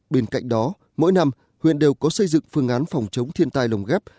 bên cạnh đó mỗi năm huyện đều có xây dựng phương án phòng chống thiên tai lồng ghép